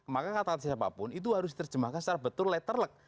maka kata siapapun itu harus diterjemahkan secara betul letter luck